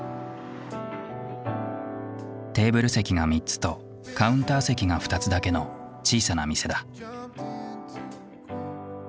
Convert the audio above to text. テーブル席が３つとカウンター席が２つだけの小さな店だ。